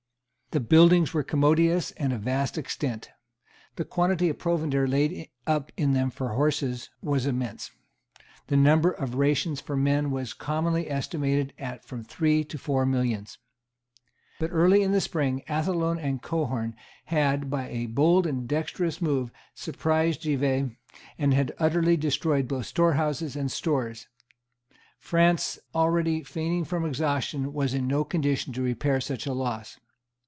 The buildings were commodious and of vast extent. The quantity of provender laid up in them for horses was immense. The number of rations for men was commonly estimated at from three to four millions. But early in the spring Athlone and Cohorn had, by a bold and dexterous move, surprised Givet, and had utterly destroyed both storehouses and stores. France, already fainting from exhaustion, was in no condition to repair such a loss.